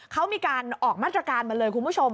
เขามีการออกมาตรการมาเลยคุณผู้ชม